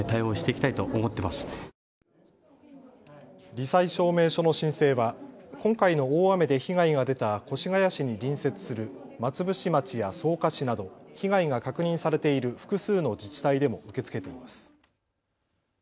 り災証明書の申請は今回の大雨で被害が出た越谷市に隣接する松伏町や草加市など被害が確認されている複数の自治体でも受け付けています。